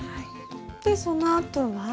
でそのあとは？